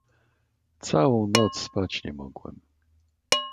"Całą noc spać nie mogłem."